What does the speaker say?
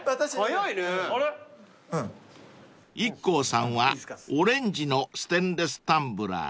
［ＩＫＫＯさんはオレンジのステンレスタンブラー］